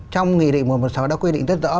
trong nghị định mùa một sáu đã quy định rất rõ